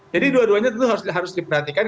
jadi dua duanya tentu harus diperhatikan